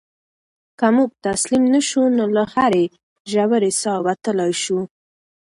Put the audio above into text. که موږ تسلیم نه شو نو له هرې ژورې څاه وتلی شو.